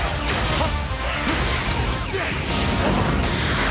あっ。